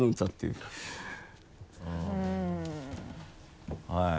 うんはい。